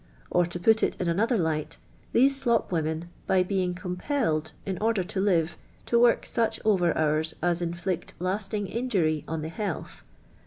Or. to put it in another light, these slop women, by being com jielled, i!i order to live, to work such ov«T hours as intiict lasting injury «»n the hialth.